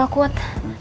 aluh ga kuat